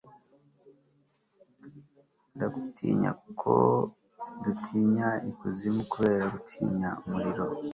ndagutinya nkuko dutinya ikuzimu, kubera gutinya umuriro